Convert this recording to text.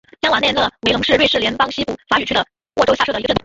沙瓦讷勒维龙是瑞士联邦西部法语区的沃州下设的一个镇。